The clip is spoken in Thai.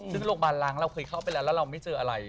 ซึ่งโรงพยาบาลล้างเราเคยเข้าไปแล้วแล้วเราไม่เจออะไร